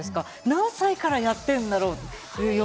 何歳からやってるんだろう？